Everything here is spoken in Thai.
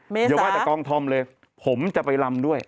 เดี๋ยวว่าจะกองทอมเลยผมจะไปลำด้วย